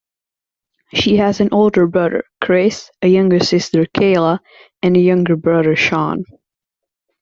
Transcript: She has an older brother, Chris, a younger sister, Calea and younger brother Sean.